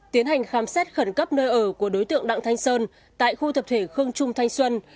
tiến hành khám xét khẩn cấp nơi ở của đối tượng đặng thanh sơn tại khu tập thể khương trung thanh xuân